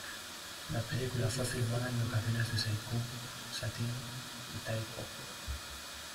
La película fue filmada en locaciones de Sai Kung, Sha Tin y Tai Po.